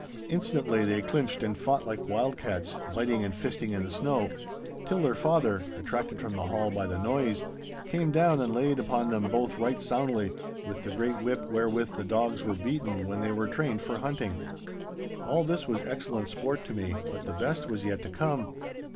Instantly they clinched and fought like wild cats, biting and fisting in the snow—till their father, attracted from the hall by the noise, came down and laid upon them both right soundly, with the great whip wherewith the dogs were beaten when they were trained for hunting. All this was excellent sport to me, but the best was yet to come.